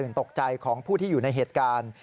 ตกใจของผู้ที่อยู่ในเหตุการณ์